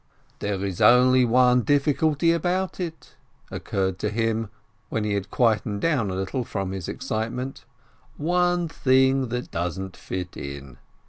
"There is only one difficulty about it," occurred to him, when he had quieted down a little from his excite ment, "one thing that doesn't fit in.